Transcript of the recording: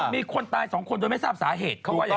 มีคนตายสองคนโดยไม่ทราบสาเหตุ